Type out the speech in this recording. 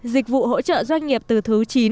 dịch vụ hỗ trợ doanh nghiệp từ thứ chín